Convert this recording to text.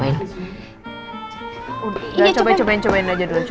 mau geki bantuin gak